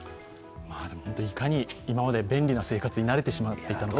いかに今まで便利な生活に慣れてしまっていたのか。